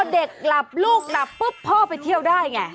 เด็กหลับลูกหลับปุ๊บพ่อไปเที่ยวได้ไง